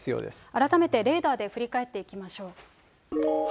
改めてレーダーで振り返っていきましょう。